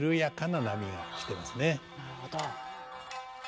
なるほど。